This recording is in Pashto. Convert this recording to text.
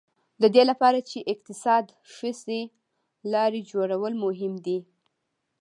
د دې لپاره چې اقتصاد ښه شي لارې جوړول مهم دي.